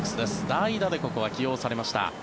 代打でここは起用されました。